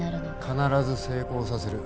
必ず成功させる。